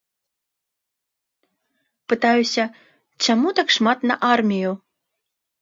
Пытаюся, чаму так шмат на армію?